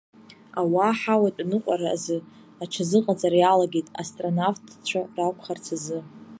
Ауаа аҳауатә аныҟәара азы аҽазыҟаҵара иалагеит, астронавтцәа ракухарц азы.